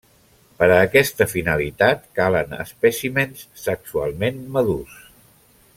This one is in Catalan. Per a aquesta finalitat calen espècimens sexualment madurs.